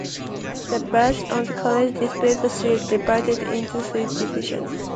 The badge of the College displays a shield divided into three divisions.